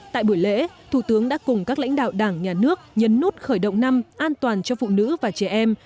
tại buổi lễ thủ tướng đã cùng các lãnh đạo đảng nhà nước nhấn nút khởi động năm an toàn cho phụ nữ và trẻ em